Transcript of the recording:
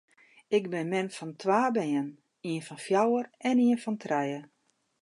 Ik bin mem fan twa bern, ien fan fjouwer en ien fan trije.